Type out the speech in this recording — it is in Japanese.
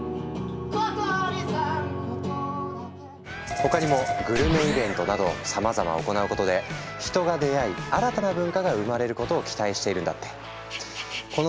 他にもグルメイベントなどさまざま行うことで人が出会い新たな文化が生まれることを期待しているんだって。